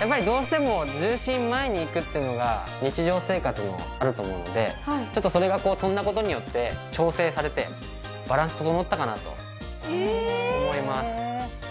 やっぱりどうしても重心前に行くっていうのが日常生活にもあると思うのでちょっとそれが跳んだ事によって調整されてバランス整ったかなと思います。